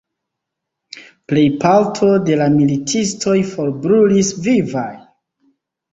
Plejparto de la militistoj forbrulis vivaj.